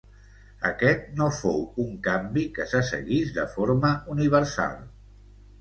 Aquest no fou un canvi que se seguís de forma universal.